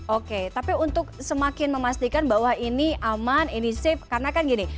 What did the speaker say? oke tapi untuk semakin memastikan bahwa ini aman ini safe karena kan gini